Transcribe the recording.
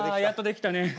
やっとできたね。